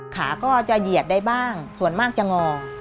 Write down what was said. ขาก็จะเหยียดได้บ้างส่วนมากจะงอ